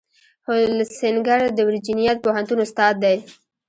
هولسینګر د ورجینیا پوهنتون استاد دی.